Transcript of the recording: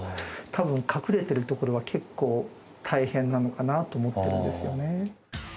多分隠れてるところは結構大変なのかなと思ってるんですよね